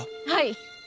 はい。